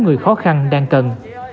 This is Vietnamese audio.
người khó khăn đang cần